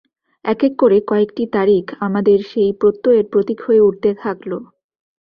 একেক করে কয়েকটি তারিখ আমাদের সেই প্রত্যয়ের প্রতীক হয়ে উঠতে থাকল।